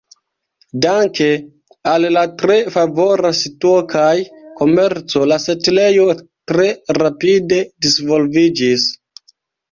Danke al la tre favora situo kaj komerco la setlejo tre rapide disvolviĝis.